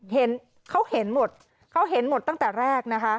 เห็นเขาเห็นหมดเขาเห็นหมดตั้งแต่แรกนะคะ